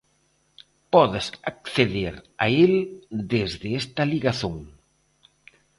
Podes acceder a el desde esta ligazón.